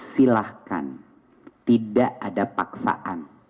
silahkan tidak ada paksaan